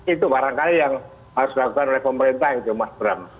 itu barangkali yang harus dilakukan oleh pemerintah gitu mas bram